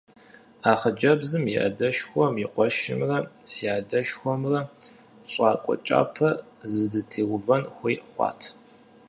А хъыджэбзым и адэшхуэм и къуэшымрэ си адэшхуэмрэ щӀакӀуэ кӀапэ зэдытеувэн хуей хъуат.